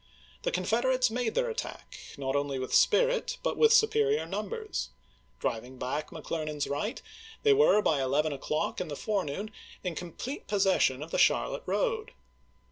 The Confederates made their attack not only with spirit but with superior numbers. Driving back McClernand's right, they were by eleven o'clock in the forenoon in complete possession of the Charlotte road.